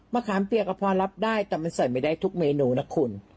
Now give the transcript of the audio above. ขามเปียกก็พอรับได้แต่มันใส่ไม่ได้ทุกเมนูนะคุณ